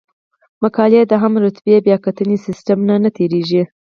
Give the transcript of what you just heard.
مقالې د هم رتبه بیاکتنې سیستم نه تیریږي.